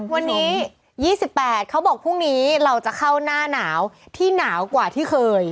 วันนี้๒๘เขาบอกพรุ่งนี้เราจะเข้าหน้าหนาวที่หนาวกว่าที่เคย